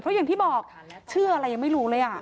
เพราะอย่างที่บอกชื่ออะไรยังไม่รู้เลย